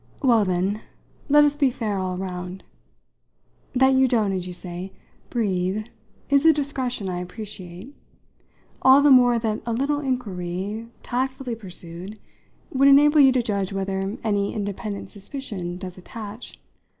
"Well, then, let us be fair all round. That you don't, as you say, breathe is a discretion I appreciate; all the more that a little inquiry, tactfully pursued, would enable you to judge whether any independent suspicion does attach.